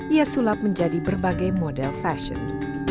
ia sulap menjadi berbagai model fashion